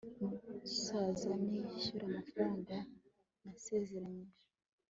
Nuzaza nzishyura amafaranga nasezeranije